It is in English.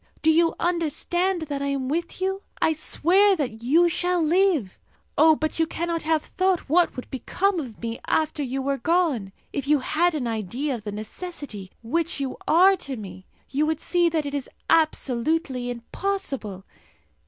Do you understand that I am with you? I swear that you shall live! Oh, but you cannot have thought what would become of me after you were gone. If you had an idea of the necessity which you are to me, you would see that it is absolutely impossible!